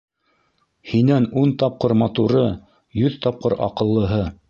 Һинән ун тапҡыр матуры, йөҙ тапҡыр аҡыллыһы.